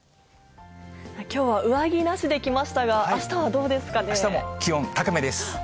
きょうは上着なしで来ましたあしたも気温、高めです。